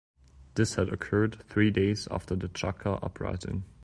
This had occurred three days after the Jaca uprising.